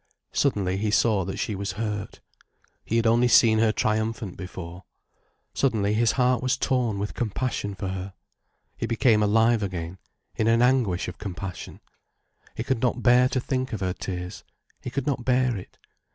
Suddenly he saw that she was hurt. He had only seen her triumphant before. Suddenly his heart was torn with compassion for her. He became alive again, in an anguish of compassion. He could not bear to think of her tears—he could not bear it.